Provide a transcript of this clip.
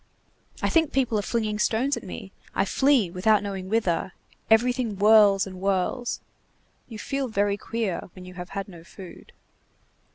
I think people are flinging stones at me, I flee without knowing whither, everything whirls and whirls. You feel very queer when you have had no food."